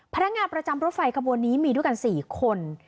พนักงานประจำรถไฟขบวนนี้มีด้วยกัน๔คน